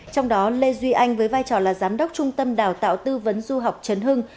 trong đó lê duy anh với vai trò là giám đốc trung tâm đào tạo tư vấn du học trấn hưng